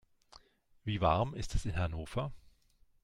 Wie warm ist es in Hannover?